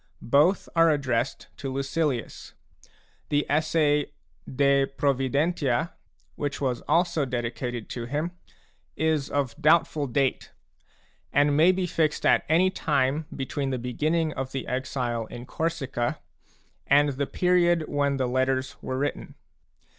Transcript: Both are addressed to Lucilius. The essay De Pfovidentia, which was also dedicated to him, is of doubtful date, and may be fixed at any time between the beginning of the exile in Corsica and the period when the Letters were written.